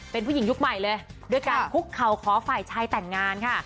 เป็นผู้หญิงยุคใหม่เลยด้วยการคุกเข่าขอฝ่ายชายแต่งงานค่ะ